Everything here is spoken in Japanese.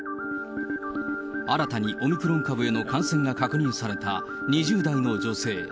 新たにオミクロン株への感染が確認された２０代の女性。